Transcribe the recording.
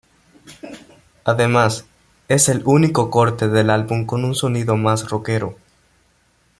Además, es el único corte del álbum con un sonido más rockero.